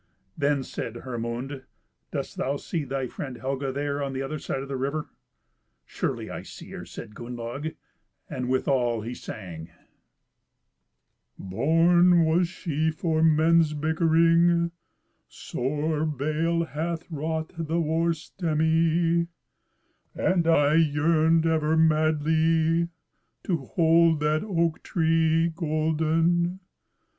Then said Hermund, "Dost thou see thy friend Helga there on the other side of the river?" "Surely, I see her," says Gunnlaug, and withal he sang: "Born was she for men's bickering: Sore bale hath wrought the war stemy And I yearned ever madly To hold that oak tree golden.